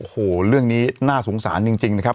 โอ้โหเรื่องนี้น่าสงสารจริงนะครับ